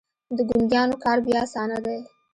د ګونګيانو کار بيا اسانه دی.